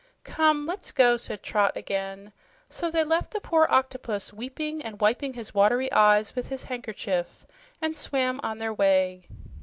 "Come, let's go," said Trot again. So they left the poor octopus weeping and wiping his watery eyes with his handkerchief and swam on their way.